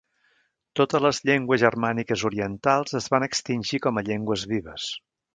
Totes les llengües germàniques orientals es van extingir com a llengües vives.